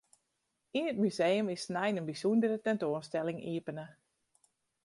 Yn it museum is snein in bysûndere tentoanstelling iepene.